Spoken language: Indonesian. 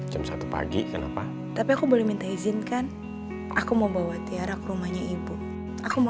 jam satu pagi kenapa tapi aku boleh minta izinkan aku mau bawa tiara ke rumahnya ibu aku mau